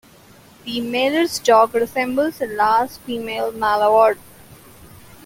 The Meller's duck resembles a large female mallard.